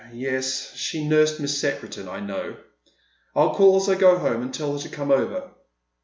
Yes, she nursed Miss Secretan, I know. I'll call as I go home and tell her to come over."